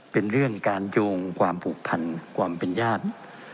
เป็นเรื่องการโยงความผูกพันความเป็นญาติ